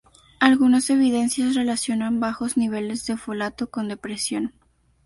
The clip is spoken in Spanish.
Algunas evidencias relacionan bajos niveles de folato con depresión.